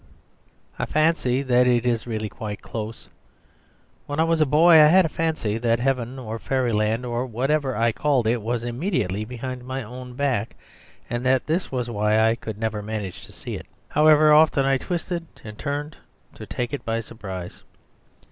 I fancy that it is really quite close. When I was a boy I had a fancy that Heaven or Fairyland or whatever I called it, was immediately behind my own back, and that this was why I could never manage to see it, however often I twisted and turned to take it by surprise.